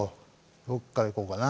どっからいこうかな。